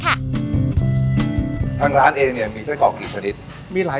ทางร้านเองเนี่ยมีไส้กรอกกี่ชนิดมีหลาย